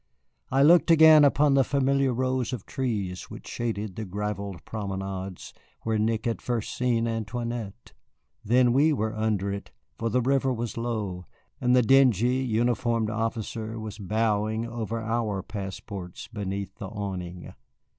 I looked again upon the familiar rows of trees which shaded the gravelled promenades where Nick had first seen Antoinette. Then we were under it, for the river was low, and the dingy uniformed officer was bowing over our passports beneath the awning.